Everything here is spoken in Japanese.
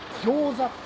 どうぞ。